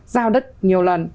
giao đất nhiều lần